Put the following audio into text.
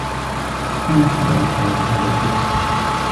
لا أحد لاحظ ظهور الدب.